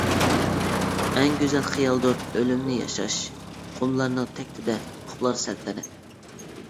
ئەڭ گۈزەل خىيالدۇر ئۆلۈمنى ياشاش، قۇملارنىڭ تەكتىدە ئۇخلار سەلتەنەت.